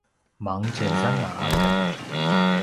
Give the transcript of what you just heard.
mangtjezanga aken